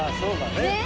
ねえ。